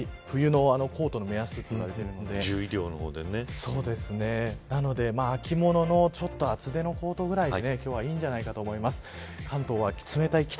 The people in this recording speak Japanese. だいたい１０度を下回るとダウンとか冬のコートの目安といわれてるのでなので、秋物のちょっと厚手のコートぐらいで今日はいいんじゃないかと思います。